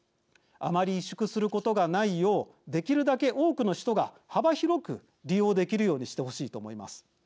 あまり萎縮することがないようできるだけ多くの人が幅広く利用できるようにしてほしいと思います。